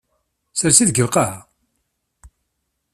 Sers-it deg lqaɛa.